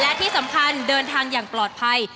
และที่สำคัญเดินทางอย่างปลอดภัย